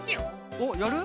おっやる？